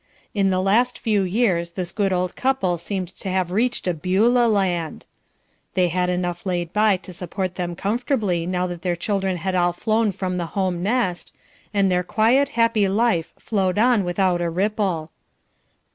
In the last few years this good old couple seemed to have reached a Beulah land. They had enough laid by to support them comfortably now that their children had all flown from the home nest, and their quiet happy life flowed on without a ripple.